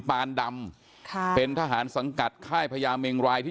พาห์ดำเป็นทหารสังกัดไค่พระยามเมงรายที่